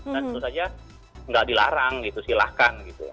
dan itu saja nggak dilarang gitu silahkan gitu